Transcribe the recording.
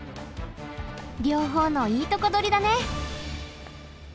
両方のいいとこどりだね。